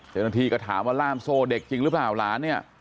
เจ้าหน้าที่ก็ถามว่าล่ามโซ่เด็กจริงหรือเปล่าหลานเนี่ย